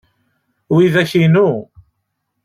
Widak inu.